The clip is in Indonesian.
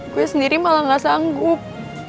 gue sendiri malah gak sanggup